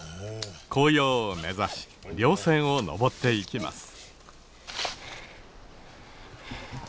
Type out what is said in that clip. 紅葉を目指し稜線を登っていきます。